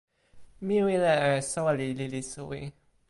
mi wile e soweli lili suwi.